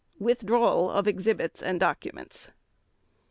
_Withdrawal of Exhibits and Documents.